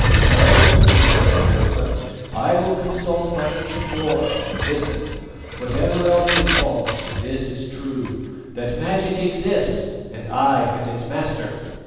"No," answered Hokosa; "I will consult my ancient lore. Listen. Whatever else is false, this is true: that magic exists, and I am its master.